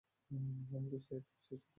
আমি তো সাঈদকে বিশ্বাস করতাম।